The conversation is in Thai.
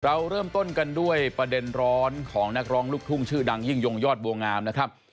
เราเริ่มต้นกันด้วยประเด็นร้อนของนักร้องลูกทุ่งชื่อดังยิ่งยงยอดบัวงามนะครับ